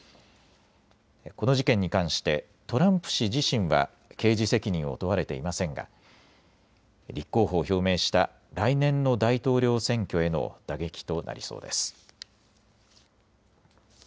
この事件に関してトランプ氏自身は刑事責任を問われていませんが立候補を表明した来年の大統領選挙への打撃となりそうです。